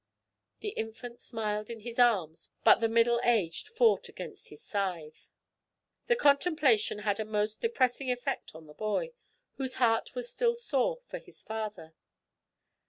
The infant smiled in his arms, but the middle aged fought against his scythe. The contemplation had a most depressing effect on the boy, whose heart was still sore for his father.